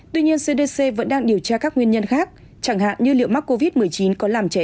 tuy nhiên cdc vẫn đang điều tra các nguyên nhân khác chẳng hạn như liệu mắc covid một mươi chín có làm trẻ